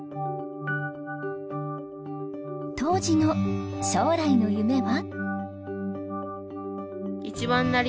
当時の将来の夢は？